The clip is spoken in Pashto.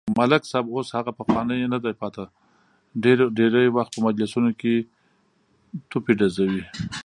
ملک صاحب اوس هغه پخوانی ندی پاتې، ډېری وخت په مجلسونو کې توپې ډزوي.